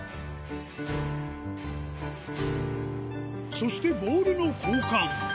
そしてボールの交換